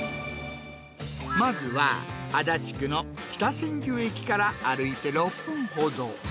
まずは足立区の北千住駅から歩いて６分ほど。